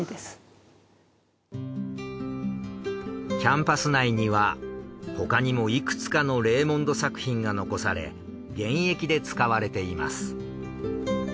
キャンパス内には他にもいくつかのレーモンド作品が残され現役で使われています。